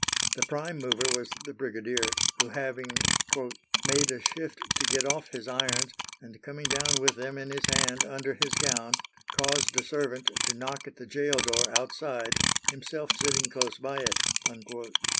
The prime mover was the brigadier, who, having "made a shift to get off his irons, and coming down with them in his hand under his gown, caused a servant to knock at the gaol door outside, himself sitting close by it."